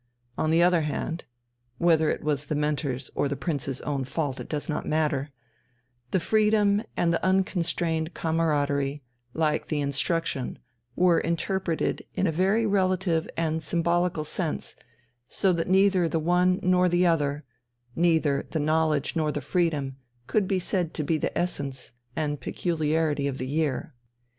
On the other hand (whether it was the mentor's or the Prince's own fault does not matter) the freedom and the unconstrained camaraderie, like the instruction, were interpreted in a very relative and symbolical sense so that neither the one nor the other, neither the knowledge nor the freedom, could be said to be the essence and peculiarity of the year.